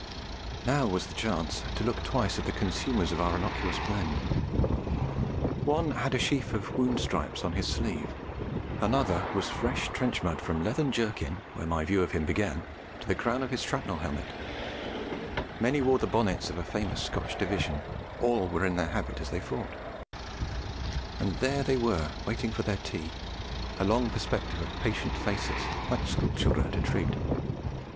Now was the chance to look twice at the consumers of our innocuous blend. One had a sheaf of wound stripes on his sleeve; another was fresh trench mud from leathern jerkin (where my view of him began) to the crown of his shrapnel helmet; many wore the bonnets of a famous Scotch Division, all were in their habit as they fought; and there they were waiting for their tea, a long perspective of patient faces, like school children at a treat.